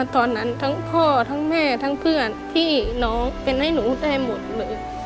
ตอนนั้นทั้งพ่อทั้งแม่ทั้งเพื่อนที่น้องเป็นให้หนูได้หมดเลย